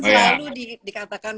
singapura kan selalu dikatakan